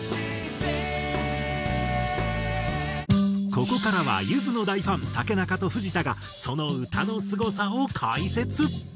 ここからはゆずの大ファン竹中と藤田がその歌のすごさを解説。